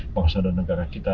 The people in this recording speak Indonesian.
bangsa dan negara kita